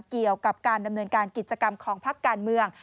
เกี่ยวกับการดำเนินการกิจกรรมของพักการเมือง